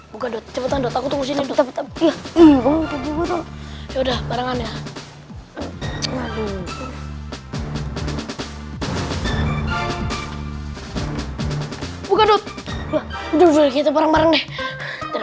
bukan cepetan aku tunggu sini udah barangannya